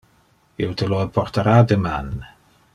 Io te lo apportara deman.